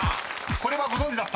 ［これはご存じだった？］